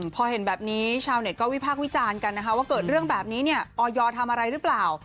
พอเห็นแบบนี้ชาวเน็ตก็วิพากษ์วิจารณ์กันนะคะว่าเกิดเรื่องแบบนี้เนี่ยออยทำอะไรหรือเปล่า